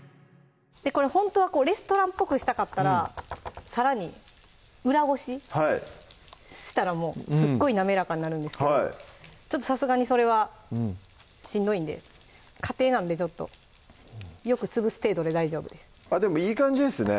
これほんとはレストランっぽくしたかったらさらに裏ごしはいしたらもうすっごい滑らかになるんですけどちょっとさすがにそれはしんどいんで家庭なんでちょっとよく潰す程度で大丈夫ですでもいい感じですね